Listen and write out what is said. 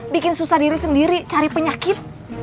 bikin susah diri sendiri cari penyakit